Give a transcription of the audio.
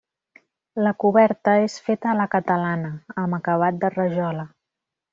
La coberta és feta a la catalana, amb acabat de rajola.